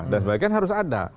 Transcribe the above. dan sebagainya harus ada